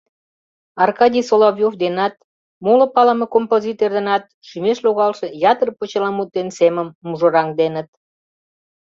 Аркадий Соловьёв денат, моло палыме композитор денат шӱмеш логалше ятыр почеламут ден семым «мужыраҥденыт»...